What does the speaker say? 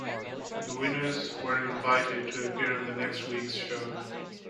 The winners were invited to appear on the next week's show.